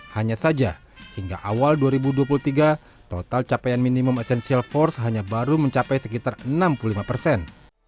hanya saja hingga awal dua ribu dua puluh tiga total capaian minimum essential force hanya baru mencapai sekitar enam puluh lima persen